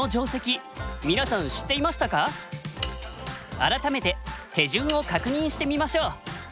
改めて手順を確認してみましょう。